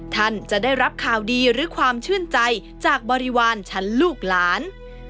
ท่านจะได้รับข่าวดีหรือความชื่นใจจากบริวารชั้นลูกหลาน